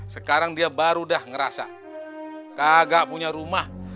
sekarang dia baru dah ngerasa kagak punya rumah